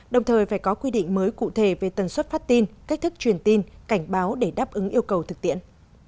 đồng thời phải có quy định mới cụ thể về tần suất phát tin cách thức truyền tin cảnh báo để đáp ứng yêu cầu thực tiễn